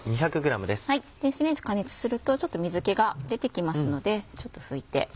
電子レンジ加熱するとちょっと水気が出てきますのでちょっと拭いて。